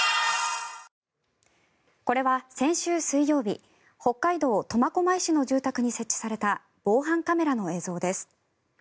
これは先週水曜日北海道苫小牧市の住宅に設置された防犯カメラの映像です。